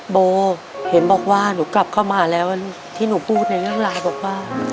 โบเห็นบอกว่าหนูกลับเข้ามาแล้วที่หนูพูดในเรื่องราวบอกว่า